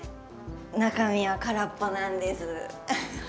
中身は空っぽなんです。